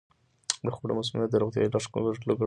د خوړو مسمومیت د روغتیايي لګښتونو د بې ځایه زیاتوالي لامل دی.